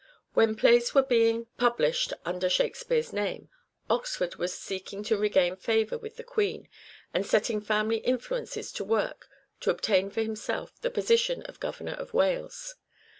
When plays were being 214 " SHAKESPEARE " IDENTIFIED published under Shakespeare's name, Oxford was seeking to regain favour with the Queen and setting family influences to work to obtain for himself the position of governor of Wales.